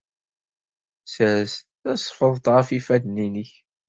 Ssers tasfeḍt ɣef yifadden-nnek.